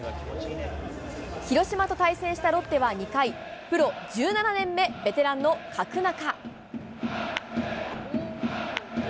広島と対戦したロッテは２回、プロ１７年目、ベテランの角中。